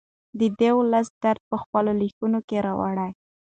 دی د ولس درد په خپلو لیکنو کې راوړي.